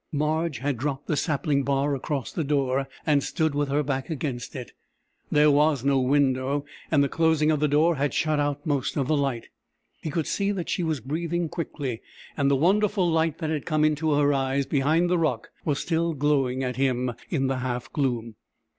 Marge had dropped the sapling bar across the door, and stood with her back against it. There was no window, and the closing of the door had shut out most of the light. He could see that she was breathing quickly, and the wonderful light that had come into her eyes behind the rock was still glowing at him in the half gloom.